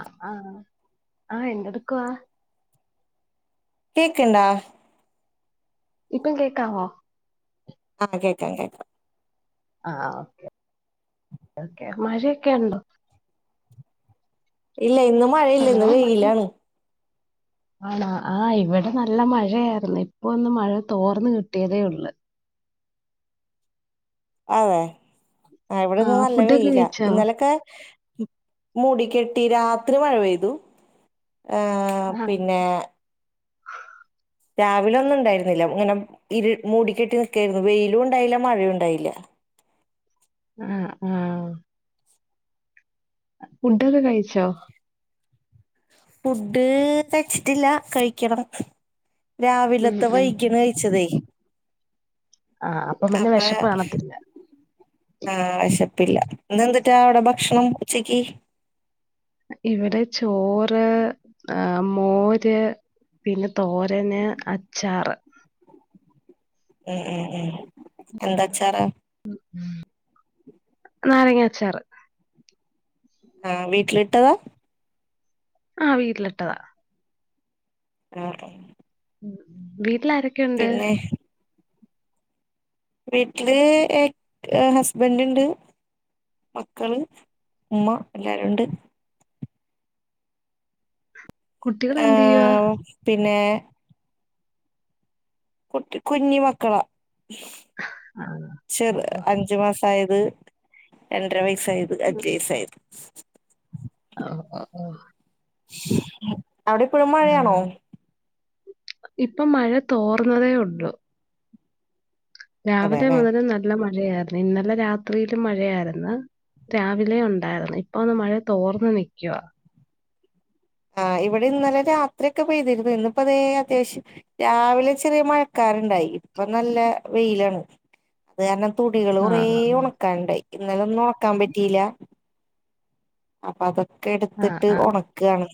അ ആ ആഹ് എന്തെടുക്കുവാ കേക്ക്ൺണ്ടാ ഇപ്പം കേക്കാവോ ആഹ് കേക്കാം കേക്കാം ആഹ് ഓകെ ഓകെ മഴയൊക്കെ ഉണ്ടോ ഇല്ല ഇന്ന് മഴയില്ല ഹലോ ഇന്ന് മഴ വെയിലാണ് ആണോ ആഹ് ഇവിടെ നല്ല മഴയായിരുന്ന് ഇപ്പൊ ഒന്ന് മഴ തോർന്ന് കിട്ടിയതേ ഉള്ള് അതെ ആ ഇവിടെന്ന് ആഹ് നല്ല ഫുഡൊക്കെ വെയില കഴിച്ചോ ഇന്നലൊക്കെ മൂടി കെട്ടി രാത്രി മഴ പെയ്തു ആഹ് പിന്നെ രാവിലെ ഒന്നും ഉണ്ടായിരുന്നില്ല ഇങ്ങ്നെ ഇരു മൂടിക്കെട്ടി നി ക്കായിരുന്നു വെയിലും ഉണ്ടായില്ല മഴ ഉണ്ടായില്ല ആഹ് ആഹ് ഫുഡൊക്കെ കഴിച്ചോ ഫുഡ്‌ കഴിച്ചിട്ടില്ല കഴിക്കണം ഉം രാവിലത്തെ ഉം വൈകണ് കഴിച്ചതേ ആഹ് അപ്പം പിന്നെ അപ്പൊ വിശപ്പ് കാണത്തില്ല ആഹ് അയ്സ് പ്പില്ല ഇന്നെന്തിട്ടാ അവിടെ ഭഷ്ണം ഉച്ചക്ക് ഇവിടെ ച്ചോറ് ആഹ് മോര് പിന്നെ തോരന് അച്ചാറ് ഉം ഉം ഉം എന്തച്ചാറാ ഉ ഉം നാരങ്ങാച്ചാറ് ആഹ വീട്ടിലിട്ടതാ ആഹ വീട്ടിലിട്ടതാ ആഹ ഉ വിട്ടി ല്ലാരൊക്കെ ഉണ്ട് വീട്ടില് ഹസ്ബൻഡ് ഉണ്ട് മക്കള് ഉമ്മ എല്ലാരും ഉണ്ട് കുട്ടികൾ എന്ത് ചെയ്യവാ ആഹ് പിന്നെ കുട്ടി കുഞ്ഞി മക്കളാ ചെറ് ആഹ് അഞ്ചു മാസം അതായത് രണ്ടരവയസ് സൈദ് അജയ് സൈദ് ഓ ഓ ഓ അവിടിപ്പഴും മഴയാണോ ഉം. ഇപ്പൊ മഴ തോർന്നതേ ഉള്ളു രാവിലെ അതെല്ലെ മുതലൽ നല്ല മ മഴായിരുന്നു ഇന്നലെ രാത്രിയിലും മഴയായിരുന്നു രാവിലെ ഉണ്ടായിരുന്നു ഇപ്പ ഒന്ന് മഴ തോർന്ന നിക്കുവാ ആഹ് ഇവിടെ ഇന്നലെ രാത്രിയൊക്കെ പെയ്തിരുന്നു ഇന്നപ്പോ അതേ അത്യാവശ്യം രാവിലെ ചെറിയ മഴക്കാരറുണ്ടായി ഇപ്പൊ നല്ല വെയിലാണ് അത് കാരണം തുണികള് ആ കുറേ ഉണക്കാൻണ്ടായി ഇന്നല ഒന്നും നോക്കാൻ പറ്റിയില്ല അപ്പ അത ഒക്കെ ആ എടുത്തിട്ട് ആ ഉണക്കുകയാണ്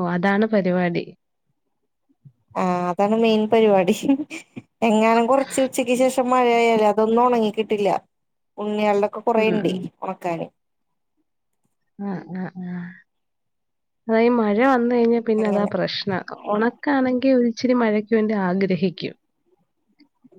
ഓ അതാണ് പരിപാടി ആഹ അതാണ് മെയിൻ പരിപാടി എങ്ങാനും കുറച്ച് ഉച്ചയ്ക്ക് ശേഷം മഴയായാലേ അതൊന്നും ഉണങ്ങി കിട്ടില്ല ഉണ്ണിക്കളുടെയൊക്കെ ഉം കുറെയുണ്ടേ ഉണക്കൻ ആഹ ആ ആ അത മഴ വന്ന കഴിഞ്ഞാപിന്നെ അതാ അങ്ങനെ പ്രശ്നം ഉണക്കണെങ്കിൽച്ചിരി മഴ ആഗ്രഹിക്കും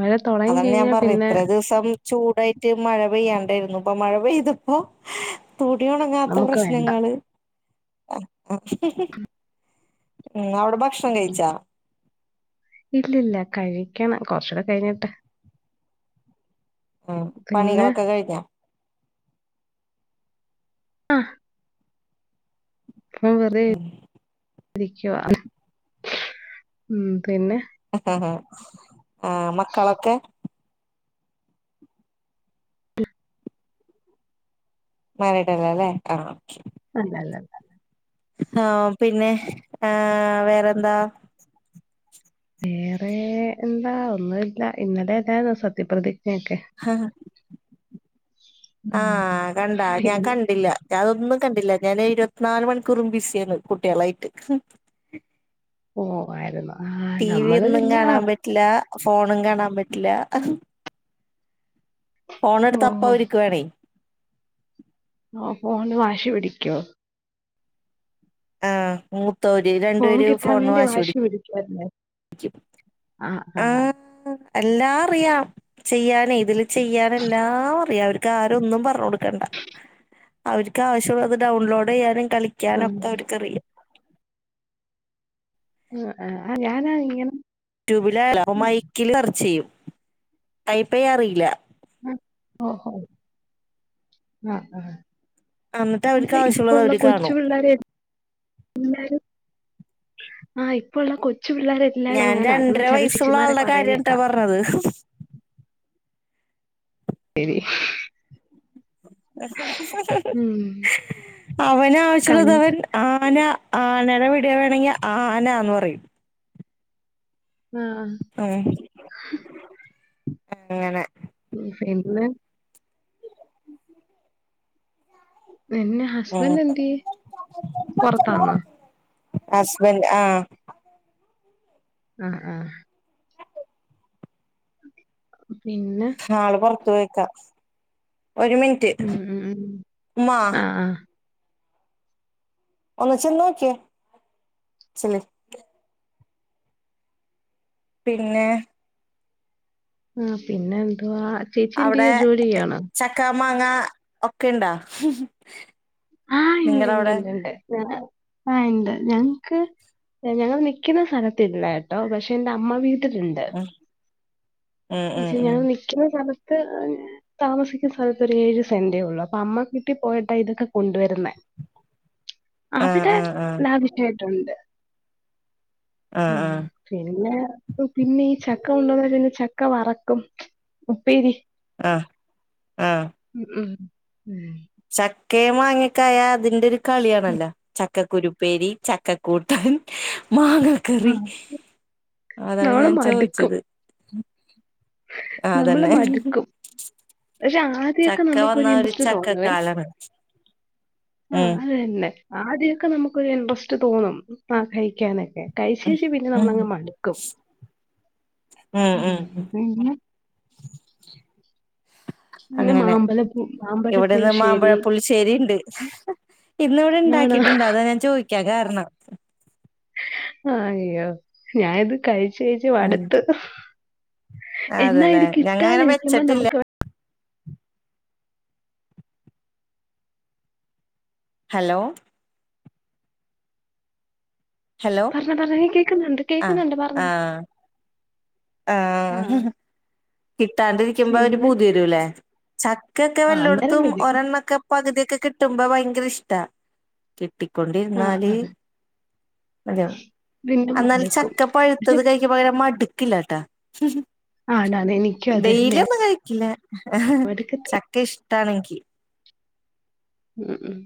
മഴ തുടങ്ങി അതാണ് ഞാൻ കഴിഞ്ഞാൽ പറഞ്ഞ പിന്നെ ഇത്ര ദിവസം ചൂടായിട്ട് മഴ പെയ്യാണ്ടായിരുന്നു അപ്പ മഴ പെയ്തപ്പോ തുണി ഉണങ്ങാത്ത നമുക്ക് വേണ്ട പ്രശ്നങ്ങള് ഉ ഓക്കേ ഇന്ന് അവിടെ നി ഭക്ഷണം ഉം. കഴിച്ചാ? ഇല്ലില്ല കഴിക്കണം കൊറച്ചൂടെ കഴിഞ്ഞിട്ട് ഉം പിന്നെ പണികളൊക്കെ കഴിഞ്ഞാ? ആ ആ പറ [unintelligible] ഉം പിന്നെ ആഹ് ആ ആഹ് മക്കളൊക്കെ? മരടലല്ലേ ആഹ അല്ലഅല്ല ആഹ പിന്നെ ഏ വേറെന്താ വേറെ എന്താ ഒന്നുംല്ല ഇന്നലെ എല്ലായിരുന്നോ സത്യപ്രതിക്ജ്ഞ [unintelligible] ആഹ കണ്ടാ ഞാൻ കണ്ടില്ല ഞാൻ അതൊന്നും കണ്ടില്ല ഞാാന് ഇരുപത്തിനാല് മണിക്കൂറും ബിസിയാണ് കുട്ടികളായിട്ട് ഓ ആയിരുന്നോ? ടി വി ഒന്നും കാണാൻ പറ്റില്ല ഫോണും കാണാൻ പറ്റില്ല ഫോണ് ഓ എടുത്താ അപ്പ ഇവരിക്ക് വേണേ ആ ഫോണിനു വാശി പിടിക്കുവോ? ആഹ് ത്തോന് രണ്ടു പേരും ഫോണിനു വാശി പിടിക്കും ആഹ ആഹ ഹ ആഹ് എല്ലാം അറിയാം ചെയ്യാനെയ് ഇതില് ചെയ്യാന് എല്ലാം അറിയാം അവർക്ക് ആരും ഒന്നും പറഞ്ഞു കൊടുക്ക ക്കണ്ട അവർക്ക് ആവശ്യമുള്ളത് ഡൗൺലോഡ് ചെയ്യാനും ആ, കളിക്കാനൊക്കെ അവർക്കറിയാം ആ ആ ആ ഞാനാ ഇങ്ങനെ യൂട്യൂബിലോ ആ, മൈക്കിൽ ചെയ്യും ആയപ്പയ് അറിയില്ല ഓഹോ ആഹ ആ എന്നിട്ട് അവർക്ക് അതെ ഇപ്പ ആവശ്യമുള്ളത് ഉള്ള അവര് കൊച്ചു കാണും പിള്ളേർ പി ആ പ്പള്ള കൊച്ചു- പിള്ളേരെ എല്ലാരും ഞാൻ അങ്ങനെ കാരണം രണ്ടര ചില വയസുള്ള ചേച്ചിമാരെ ആളുടെ കാര്യാട്ടാ പറയുന്നേക്കാം പറഞ്ഞത് ശരി ഉം അവന കൺ ആവശ്യമുള്ളത് അവൻ ആന ആന വ വീഡിയോ വേണെങ്കിൽ ആന എന്ന് പറയും ആഹ് ഉം അങ്ങനെ പിന്നെ ഉം ഹസ്ബൻറ് എന്ത്യേ പുറത്താന്നാ ഹസ്ബൻഡ് ആഹ് ആഹ് ആഹ് പിന്നെ തോയ്ക്കാ ഒരു മിനിറ്റ് ഉം ഉം ഉം ഉമ്മ ആഹ് ആഹ് ഒന്ന് ചെന്നോക്യേ ചെല്ല് പിന്നെ ആ പിന്നെ എന്തുവാ ചേച്ചി അവിടെ എന്തെയ്യുവ ജോലിച്ചയുവാണോ ചക്ക മാങ്ങ ഒക്കെ ഇണ്ടാ ആഹ് ഉണ്ട് നിങ്ങടെ ഇണ്ട് അവിടെ ഉണ്ട്ണ്ട് ആഹ് എണ്ട് ഞങ്ങക്ക് ഞങ്ങൾ നിക്കുന്ന സ്ഥലത്ത്ല്ല കെട്ടോ പക്ഷെ എന്റെ അമ്മ വീ ട്ടില്ണ്ട് ഉം ഉം ഉം പക്ഷെ ഞാൻ ഉം നിക്കണ സ്ഥലത്ത് ത്ത് താമസിക്കുന്ന സ്ഥലത്ത് ഒരു ഏഴ് സെന്റേ ഉള്ളു അപ്പൊ അമ്മ വീട്ടി പോയിട്ടാ ഇതൊക്കെ കൊണ്ടുവരുന്നേ ആ അവിടെ ആ ആ ലാവിശായി- ട്ടുണ്ട് ആ [inaudible] ഉം പിന്നെ പിന്നെ ഈ ചക്ക കെണ്ടന്ന പിന്നെ ചക്ക ഒക്കെ വറക്കും ഉപ്പേരി ആ ആ [inaudible] ഉം ഉം ചക്കെ മാങ്ങേക്കായ അതിന്റെ ഒരു കളിയാണല്ലോ ചക്കക്കുരുപ്പേരി ചക്കക്കൂട്ടൻ മാങ്ങക്കറി ആഹ് അതാണ് നമ്മള് ഞാൻ മടുക്കും ചോദിച്ചത് ആ നമ്മള് അതന്നെ മടുക്കും പക്ഷെ ആദ്യമൊക്കെ ചക്ക വന്ന നമുക്കൊരു ഒരു ഇൻട്രസ്റ്റ് തോന്നുവേ ചക്കക്കാലാണ് ആ ഉം അത് തന്നേ ആദ്യമൊക്കെ നമുക്കൊരു ഇൻട്രസ്റ്റ് തോന്നും ആ കഴിക്കാനൊക്കെ കൈശേഷി പിന്നെ ഉം നമ്മളങ്ങ് മടുക്കും ഉം ഉം പിന്നെ അങ്ങനെ മാമ്പലപ്പൂ ഇവിടെന്ന് മാമ്പഴപ്പുളിശ്ശേരി മാമ്പഴപുളിശ്ശേരി ഉണ്ട് ഇന്ന് ഇവിടെ ആണോ ഇണ്ടാക്കിട്ടുണ്ട് അതാ ഞാൻ ചോദി ദിക്കാൻ കാരണം ആഹ അയ്യോ ഞാാനിത് കഴ ജി ഉം മടുത്ത് എന്നാ ഇത് അതേല്ലേ ഞങ്ങ അങ്ങനെ കിട്ടാാലിരിക്കുമ്പോ വെച്ചിട്ടില്ല നമുക്ക് ഹലോ ഹലോ പറഞ്ഞോ പറഞ്ഞോ നീ കേക്കുന്നുണ്ട് കേക്കുന്നുണ്ട് പറഞ്ഞോ ആഹ ആഹ് കിട്ടാണ്ടിരിക്കുമ്പോ അവര് പിന്നെ പൂതി വരൂല്ലേ ചക്കൊക്കെ ആഹ് അന്നേരം വല്ലെടത്തും വരും ഒരെണ്ണൊക്കെ പകുതി കിട്ടുമ്പോ ഭയങ്കര ഇഷ്ട ആഹ് ട്ടിക്കൊണ്ടിരുന്നാല് ആഹ് അല്ല പിന്നെ എന്നാല് മടുക്കും ചക്ക പക്ഷെ പഴുത്തത് കഴിക്കകര മടു കിലാട്ട ആണാണ് എനിക്കും അത് തന്നെ ഡെയിലി ഒന്നും കഴിക്കില്ലേ ആ അവിടക്കത്തി ചക്ക ഇഷ തണങ്കി ഉം ഉം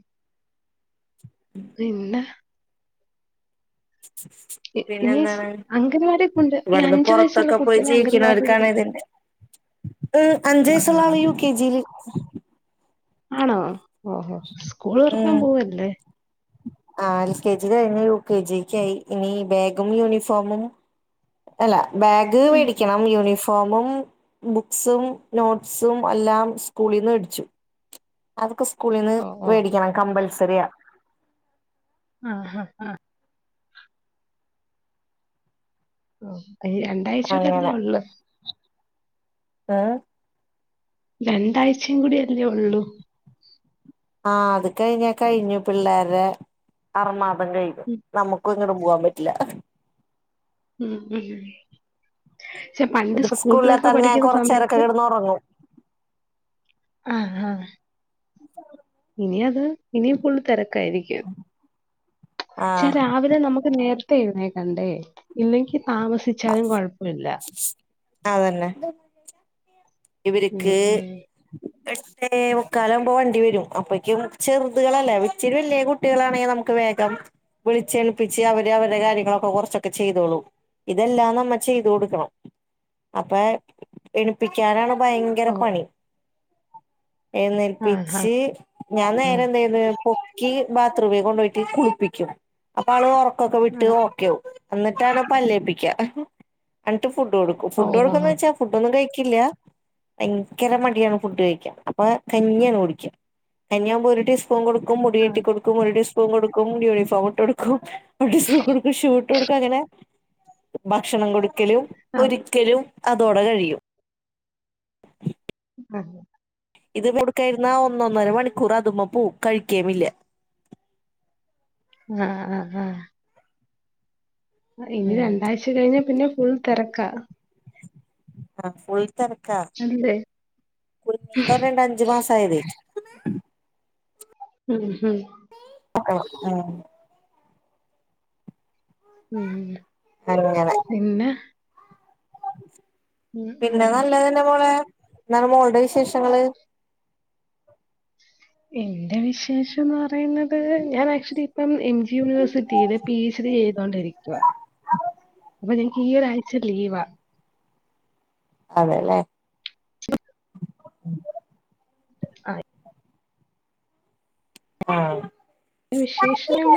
പിന്നെ പിന്നെ ഇനി എന്താണ് അംഗൻവാടി കൊണ്ട് ഈ ഇവിടുന്ന് അഞ്ചു വയസ്സുള്ള പുറത്തൊക്കെ പോയി കുട്ടീനെ അംഗൻവാടി ജീവിക്കണവർക്കാണ് ഇതിറെ ഉ അഞ്ച വയസുള്ള ആഹ് ആള് യു കെ ജിൽ ആണോ ഓഹോ സ്കൂൾ തുറകൻ ഉം പോവല്ലേ ആ എൽ കെ ജി കഴിഞ്ഞു യു കെ ജിക്ക ആയി ഇനി ബാഗും യൂണിഫോമും അല്ല ബാഗ് ഉം മേടിക്കണം യൂണിഫോം ഫോമും ബുക്സും നോട്സും എല്ലാം സ്കൂളിൽന്ന് വേടിച്ചു അതൊക്കെ സ്കൂളിൽ നിന്ന് ഓ ഓ മേടിക്കണം കമ്പ ശരിയാ ആഹ ആഹ് ആഹ ഹ രണ്ടാഴ്ചയക്ക തന്നെയ ഉള്ളു ആഹ രണ്ടാഴ്ചയും കൂടി അല്ലേ ഉള്ളു ആഹ അത് കഴിഞ്ഞ കഴിഞ്ഞു പിള്ളേരുടെ ആറ [unintelligible] ഉം നമുക്കും ഇങ്ങനും പൂവാൻ പറ്റും [unintelligible] ഉം ഉ പക്ഷെ പണ്ട് ഇതിപ്പോ സ്കൂളിലൊക്കെ സ്കൂളില്ലാത്ത ഞാൻ പഠിക്കുന്ന കൊറച്ചേരൊക്കെ സമയത്ത് കിടന്ന് ഉറങ്ങും ആ ആ [inaudible] ഇനി അത് ഇനി ഫുള്ള് തിര ക്കായിരിക്കും ആ പക്ഷേ രാവിലെ നമുക്ക് നേരത്തെ എഴുന്നേൽ ണ്ടേ ഇല്ലെങ്കിൽ താമസിച്ചാലും കുഴപ്പമില്ല അതന്നെ ഉം ഇവർക്ക് ഉം മുക്കാലാവുമ്പോ വണ്ടി വരും അപ്പക്കും ചെറുതുകളല്ലെ ഇച്ചിരി വലിയ കുട്ടികളാണെങ്കിൽ നമുക്ക് വേഗം വിളിച്ച എണീപ്പിച്ചു അവര് അവരുടെ കാര്യങ്ങളൊക്കെ കുറച്ചൊക്കെ ചെയ്തോളും ഇതെല്ലാം നമ്മ ചെയ്ത് കൊടുക്കണം അപ്പെ എണീപ്പി ക്കാനാണ് ഭയങ്കര ഓ പണി ആഹ് എഴുന്നേൽപ്പിച്ച് ഞാൻ നേരെ എന്ത് ചെയ്ത് ക്കി ബാത്റൂമേ കൊണ്ട പോയിട്ടി കുളിപ്പിക്കും അപ്പൊ ആള് ഉറക്ക ഒക്കെ വിട്ട് ആഹ് ഒക്കെയാവും എന്നിട്ടാണ് പല്ലേപ്പിക്ക എന്നിട്ട് ഫു ഫുഡ് കൊടുക്കും ഫുഡ് ഓഹ് കൊടുക്കും എന്ന് ആഹ് വച്ചാ ഫുഡൊന്നും കഴി ക്കില്ല ഭയങ്കര മടിയാണ് ഫുഡ് കഴിക്ക അപ്പൊ കഞ്ഞിയാണ് കുടിക്കുക കഞ്ഞിയാവവുമ്പോ ഒരു ടീ സ് സ്പൂൺ കൊടുക്കും മുടികെട്ടി ആഹ് കൊടുക്കും ഒരു ടീസ്പൂൺ കൊടുക്കും യൂണിഫോം ഇട്ട് കൊടുക്കും ഒരു ടീസ്പൂൺ കൊടുക്കും ഷൂ ഇട്ടു കൊടുക്കും അങ്ങനെ ഭക്ഷണം കൊടുക്കും ഴിക്കലും ഒരുക്കലും അതോടെ കഴിയും ആ ഇത് കൊടുക്കായിരുന്ന ഒന്നൊന്നര മണിക്കൂർ അതുമ്മ പോവും കഴിക്കേമില്ല ആ ആ ഇനി ഉം രണ്ടാഴ്ച കഴിഞ്ഞ പിന്നെ ഫുൾ തിരക്കാ ആ ഫു അല്ലേ [unintelligible] അഞ്ചു മാസം ആയതെ. മ് മ് [unintelligible] മ് മ് അങ്ങനെ പിന്നെ ഉം ഉം പിന്നെ നല്ലതന്നെ മോളെ. ന്താ മോൾടെ വിശേഷങ്ങള്? എന്റെ വിശേഷംന്ന് പറയുന്നത് ഞാൻ ആക്ച്വലി ഇപ്പം എം ജി യൂണിവേഴ്സിറ്റിയില് പി എച്ച് ഡി ചെയ്തോണ്ടിരിക്കുവാ അപ്പൊ ഞ ഈ ഒരാഴ്ച്ച ലീവ അതേല്ലേ ആയി ആഹ് വിശേഷം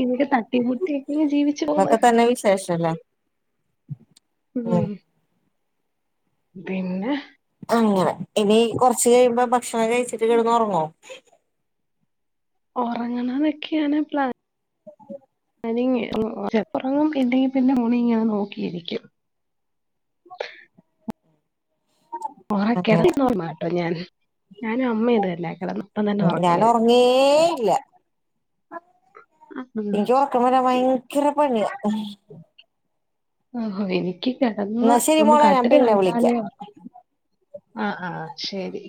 ഇവിടെ തട്ടി മുട്ടിയൊക്കെ ഇങ്ങ് ജീവിച്ചു പോവുന്ന് ഇതൊക്കെ തന്നെ വിശേഷല്ലേ ഉം പിന്നെ അങ്ങനെ ഇനി കൊറച്ച് കഴിയുമ്പോ ഭക്ഷണം കഴിച്ചിട്ട് കിടന്ന് ഉറങ്ങോ? ഒറങ്ങണോന്നൊക്കെയാണ് പ്ലാ ഞാനി ചെലപ്പൊറങ്ങും ഇല്ലെങ്കി പിന്നെ ഫോണിങ്ങനെ നോക്കിയിരിക്കും അങ്ങനെ ഉറക്കെട മാട്ടോ ഞാൻ ഞാനും അമ്മയുമതന്നെ കെടന്നപ്പം തന്നെ ഒറക്കം ഞാൻ വരും ഉറങ്ങേ ഇല്ല എനിക്ക് ഉറക്കം വരാൻ ഭയങ്കര പണിയാ ഓഹോ എനി കി കെടന്ന് എന്നാ ശരി ഒന്ന് മോളെ ഞാൻ കട്ടില് പിന്നെ കണ്ടാലേ വിളിക്കാം ഒറ ആ ആ ശെരി